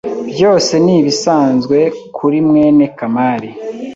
Byose nibisanzwe kuri mwene Kamari.